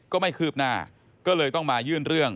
ก็ไม่คืบหน้าก็เลยต้องมายื่นเรื่อง